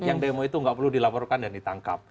yang demo itu nggak perlu dilaporkan dan ditangkap